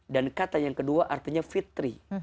dan kata yang kedua artinya fitri